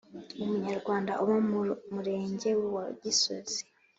umunyarwanda uba mu murenge wa gisozi